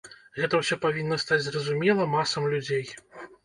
Гэта ўсё павінна стаць зразумела масам людзей.